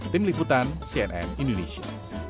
tim liputan cnn indonesia